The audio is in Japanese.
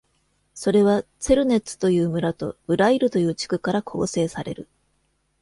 それはツェルネッツという村とブライルという地区から構成される。